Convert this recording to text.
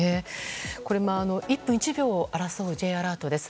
１分１秒を争うＪアラートです。